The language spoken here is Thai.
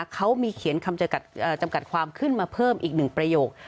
เขามีเขียนคำจำกัดความขึ้นมาเพิ่มอีกหนึ่งประโยค